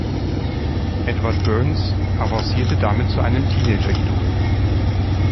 Edward Byrnes avancierte damit zu einem Teenager-Idol.